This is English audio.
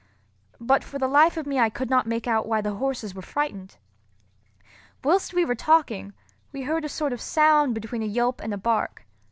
But for the life of me I could not make out why the horses were frightened. Whilst we were talking, we heard a sort of sound between a yelp and a bark.